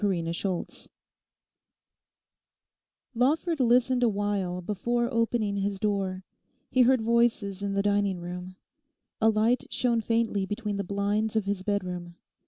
CHAPTER TEN Lawford listened awhile before opening his door. He heard voices in the dining room. A light shone faintly between the blinds of his bedroom.